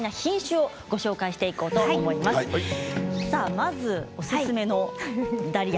まず、おすすめのダリア。